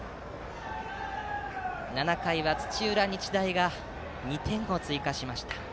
７回は土浦日大が２点を追加しました。